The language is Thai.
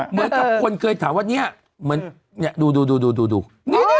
อะเหมือนกับคนเคยถามว่าเนี้ยเหมือนเนี้ยดูดูดูดูดูนี่นี่